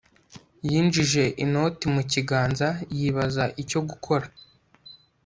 yinjije inoti mu kiganza, yibaza icyo gukora